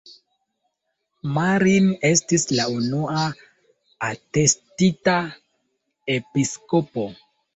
Marin estis la unua atestita episkopo.